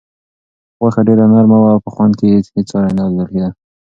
غوښه ډېره نرمه وه او په خوند کې یې هیڅ ساری نه لیدل کېده.